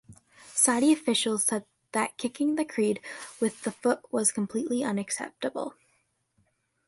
Saudi officials said that kicking the creed with the foot was completely unacceptable.